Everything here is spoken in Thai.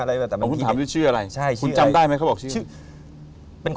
อเจมส์คุณถามนี่ชื่ออะไรคุณจำได้ไหมเขาบอกชื่อ